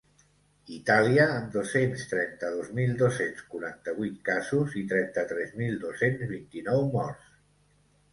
Itàlia, amb dos-cents trenta-dos mil dos-cents quaranta-vuit casos i trenta-tres mil dos-cents vint-i-nou morts.